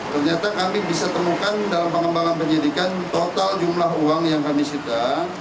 ternyata kami bisa temukan dalam pengembangan penyidikan total jumlah uang yang kami sita